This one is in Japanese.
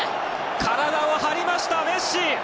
体を張りました、メッシ。